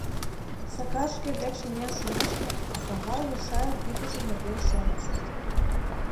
Сакар шке декше миен шумешке Аркамбал Яшайын ӱдыржӧ нерген шоныш.